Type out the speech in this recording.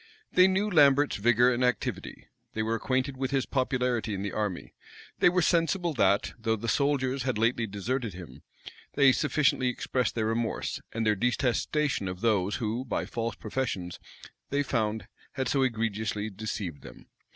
They knew Lambert's vigor and activity; they were acquainted with his popularity in the army; they were sensible that, though the soldiers had lately deserted him, they sufficiently expressed their remorse, and their detestation of those who, by false professions, they found had so egregiously deceived them.